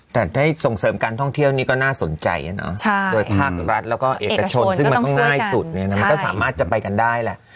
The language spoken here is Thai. แต่ได้ส่งเสริมการท่องเที่ยวนี่ก็น่าสนใจโดยภาครัฐแล้วก็เอกชนซึ่งมันก็ง่ายสุดเนี่ยนะมันก็สามารถจะไปกันได้แหละ